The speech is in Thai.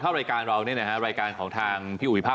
คิดว่าไม่นานคงจับตัวได้แล้วก็จะต้องเค้นไปถามตำรวจที่เกี่ยวข้อง